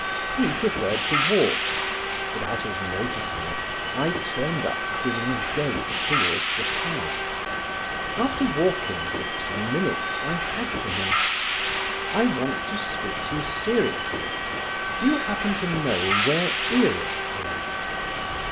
He preferred to walk: without his noticing it I turned up Queen's Gate towards the park. After walking for ten minutes I said to him: "I want to speak to you seriously. Do you happen to know where Erith is?"